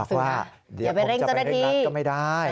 ว่าเดี๋ยวผมจะไปเร่งรัดก็ไม่ได้